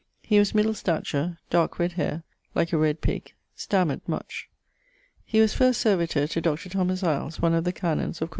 He was middle stature: darke red haire (like a red pig): stammered much. He was first servitor to Dr. Iles, one of the canons of Xᵗ.